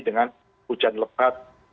dengan hujan lebat